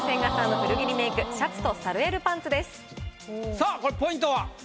さぁこれポイントは？